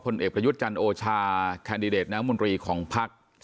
เอกประยุทธ์จันทร์โอชาแคนดิเดตน้ำมนตรีของภักดิ์